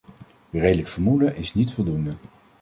Redelijk vermoeden is niet voldoende.